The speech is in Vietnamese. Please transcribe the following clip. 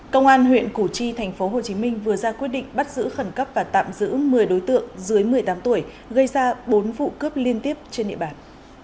công an huyện củ chi tp hcm vừa ra quyết định bắt giữ khẩn cấp và tạm giữ một mươi đối tượng dưới một mươi tám tuổi gây ra bốn vụ cướp liên tiếp trên địa bàn